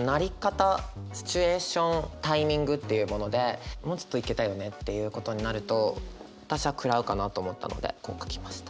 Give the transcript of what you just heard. なりかたシチュエーションタイミングっていうものでもうちょっといけたよねということになると私は食らうかなと思ったのでこう書きました。